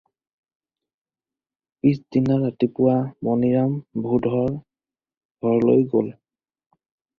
Piece দিনা ৰাতিপুৱা মণিৰাম ভূধৰৰ ঘৰলৈ গ'ল।